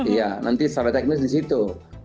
iya nanti secara teknis di situ